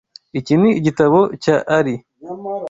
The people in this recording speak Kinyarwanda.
Iki ni igitabo cya Ali.